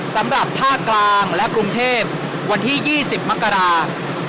สำหรับภาคกลางและกรุงเทพฯวันที่ยี่สิบมกราคม